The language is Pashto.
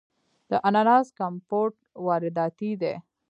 د اناناس کمپوټ وارداتی دی.